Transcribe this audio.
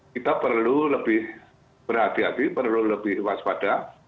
kita perlu lebih berhati hati perlu lebih waspada